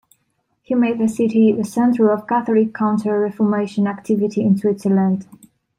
He made the city the centre of Catholic Counter-Reformation activity in Switzerland.